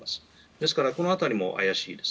ですからこの辺りも怪しいです。